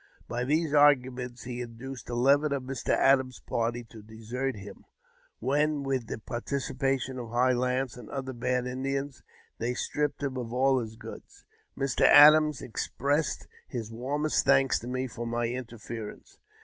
By these arguments he induced eleven of Mr. Adams's party to desert him, when, with the participation of High Lance and other bad Indians, they stripped him of all his goods. Mr. Adams expressed his warmest thanks to me for my interference.